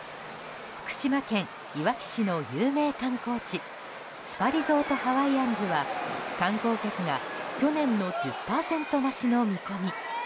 福島県いわき市の有名観光地スパリゾートハワイアンズは観光客が去年の１０％増しの見込み。